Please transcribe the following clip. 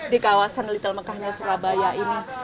di kawasan little mekahnya surabaya ini